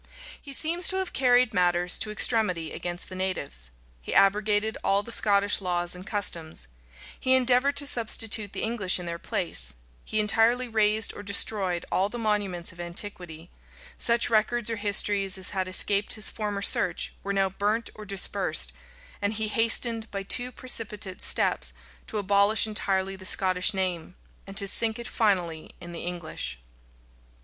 He seems to have carried matters to extremity against the natives: he abrogated all the Scottish laws and customs:[*] he endeavored to substitute the English in their place: he entirely razed or destroyed all the monuments of antiquity: such records or histories as had escaped his former search were now burnt or dispersed: and he hastened, by too precipitate steps, to abolish entirely the Scottish name, and to sink it finally in the English.